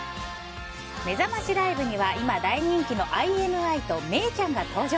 めざましライブには今、大人気のＩＮＩとめいちゃんが登場！